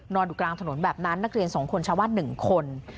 นอนอยู่กลางถนนแบบนั้นนักเรียนสองคนชาวบ้านหนึ่งคน